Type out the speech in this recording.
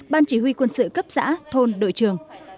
ban chỉ huy quân sự cấp xã thôn đội trường